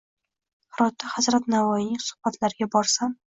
Hirotda hazrat Navoiyning suhbatlariga borsam